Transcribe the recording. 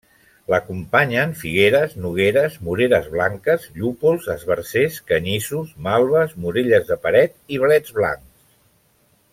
L'acompanyen figueres, nogueres, moreres blanques, llúpols, esbarzers, canyissos, malves, morelles de paret i blets blancs.